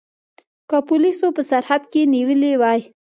که پولیسو په سرحد کې نیولي وای.